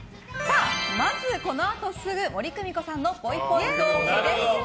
まず、このあとすぐ森公美子さんのぽいぽいトーク。